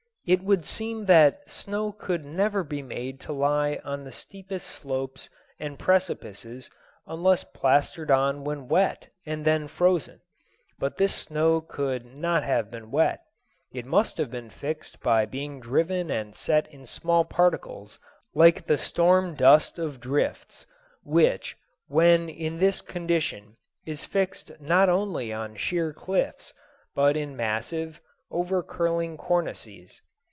It would seem that snow could never be made to lie on the steepest slopes and precipices unless plastered on when wet, and then frozen. But this snow could not have been wet. It must have been fixed by being driven and set in small particles like the storm dust of drifts, which, when in this condition, is fixed not only on sheer cliffs, but in massive, overcurling cornices.